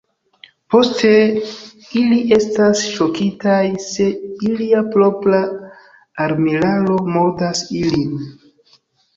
Poste ili estas ŝokitaj, se ilia propra armilaro murdas ilin.